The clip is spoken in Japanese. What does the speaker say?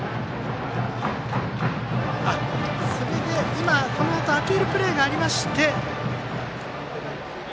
今、アピールプレーがありまして。